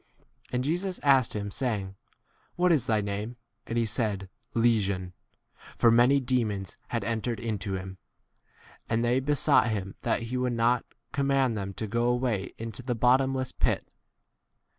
80 And Jesus asked him saying, What is thy name ? And he said, Legion : for many demons had 81 entered into him. And they be sought him that he would not command them to go away into 32 the bottomless pit.